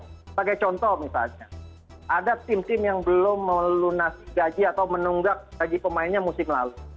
sebagai contoh misalnya ada tim tim yang belum melunasi gaji atau menunggak gaji pemainnya musim lalu